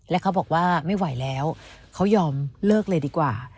และเขาบอกว่าไม่ไหวแล้วเขายอมเลิกเลยดีกว่า